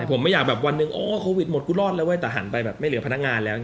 ผมไม่อยากแบบวันหนึ่งอ๋อโควิดหมดกูรอดแล้วเว้ยแต่หันไปแบบไม่เหลือพนักงานแล้ว